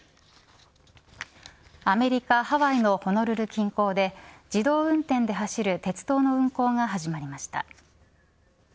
アメリカ、ハワイのホノルル近郊で自動運転で走る鉄道の運行が始まりました。